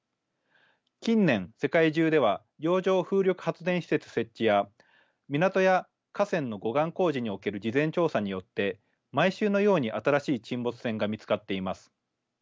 近年世界中では洋上風力発電施設設置や港や河川の護岸工事における事前調査によって毎週のように新しい沈没船が見つかっています。